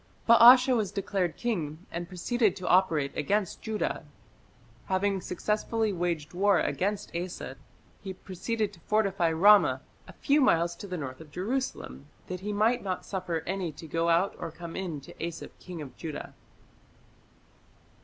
Baasha was declared king, and proceeded to operate against Judah. Having successfully waged war against Asa, he proceeded to fortify Ramah, a few miles to the north of Jerusalem, "that he might not suffer any to go out or come in to Asa king of Judah".